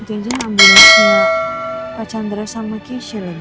ini janjin ambulansnya pak chandra sama keisha lagi